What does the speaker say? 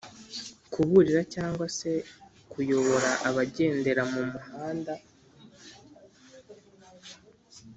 kuburira cyangwa se kuyobora abagendera mu muhanda.